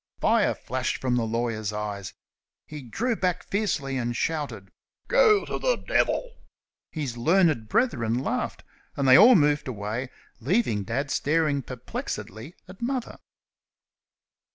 Fire flashed from the lawyer's eyes. He drew back fiercely, and shouted: "Go to the devil!" His learned brethren laughed, and they all moved away, leaving Dad staring perplexedly at Mother.